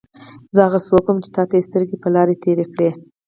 زه هغه څوک وم چې تا ته یې سترګې په لار تېرې کړې.